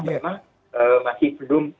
memang masih belum